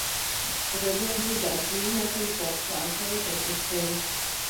ازادي راډیو د اټومي انرژي د پراختیا اړتیاوې تشریح کړي.